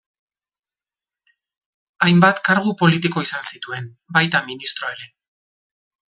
Hainbat kargu politiko izan zituen, baita ministro ere.